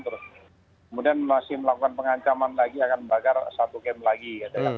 kemudian masih melakukan pengancaman lagi akan membakar satu game lagi